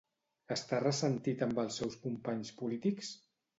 Està ressentit amb els seus companys polítics?